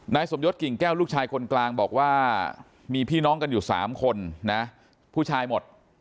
สมยศกิ่งแก้วลูกชายคนกลางบอกว่ามีพี่น้องกันอยู่๓คนนะผู้ชายหมด